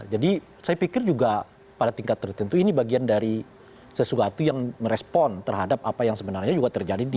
jadi saya pikir juga pada tingkat tertentu ini bagian dari sesuatu yang merespon terhadap apa yang sebenarnya juga terjadi di